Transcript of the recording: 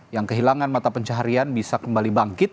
yang kehilangan mata pencaharian bisa kembali bangkit